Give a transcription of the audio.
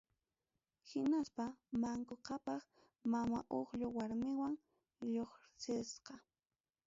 Hinaspa Manqu Qhapaq Mama Uqllu warminwan lluqsirqa.